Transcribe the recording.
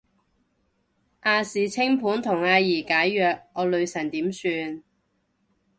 亞視清盤同阿儀解約，我女神點算